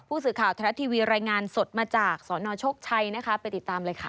ผู้สึกข่าวธนาทีวีรายงานสดมาจากศนโชคชัยไปติดตามเลยค่ะ